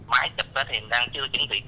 mãi chụp đó thì mình đang chưa chuẩn bị kịp